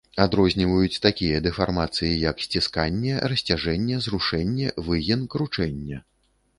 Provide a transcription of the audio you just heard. Адрозніваюць такія дэфармацыі, як сцісканне, расцяжэнне, зрушэнне, выгін, кручэнне.